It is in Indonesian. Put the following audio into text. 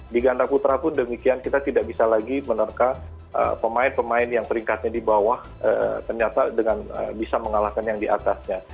di ganda putra pun demikian kita tidak bisa lagi menerka pemain pemain yang peringkatnya di bawah ternyata dengan bisa mengalahkan yang di atasnya